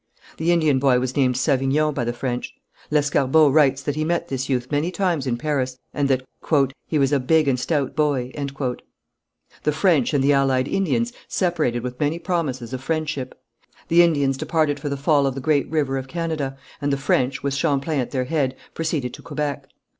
The Indian boy was named Savignon by the French. Lescarbot writes that he met this youth many times in Paris, and that "he was a big and stout boy." The French and the allied Indians separated with many promises of friendship. The Indians departed for the fall of the great river of Canada, and the French, with Champlain at their head, proceeded to Quebec.